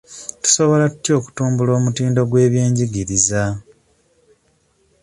Tusobola tutya okutumbula omutindo gw'ebyenjigiriza?